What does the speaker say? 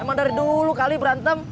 emang dari dulu kali berantem